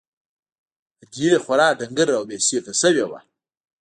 ادې خورا ډنگره او بې سېکه سوې وه.